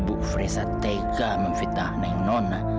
bu fresa tega memfitahkan nona